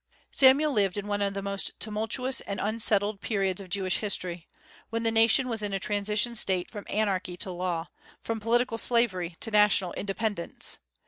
Samuel lived in one of the most tumultuous and unsettled periods of Jewish history, when the nation was in a transition state from anarchy to law, from political slavery to national independence.